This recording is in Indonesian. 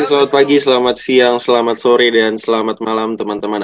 selamat pagi selamat siang selamat sore dan selamat malam teman teman